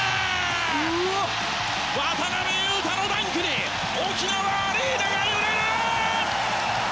渡邊雄太のダンクに沖縄アリーナが揺れる！